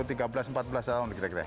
tiga belas empat belas tahun kira kira